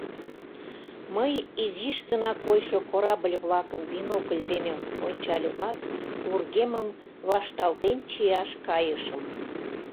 Мый, изиш гына койшо корабль-влакым бинокль дене ончальымат, вургемым вашталтен чияш кайышым.